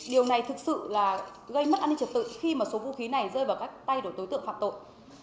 điều này thực sự là gây mất an ninh trật tự khi mà số vũ khí này rơi vào các tay đổi tối tượng phạt tội